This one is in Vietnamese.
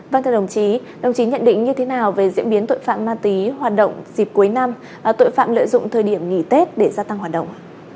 vâng thưa đồng chí đồng chí nhận định như thế nào về diễn biến tội phạm ma túy hoạt động dịp cuối năm tội phạm lợi dụng thời điểm nghỉ tết để gia tăng hoạt động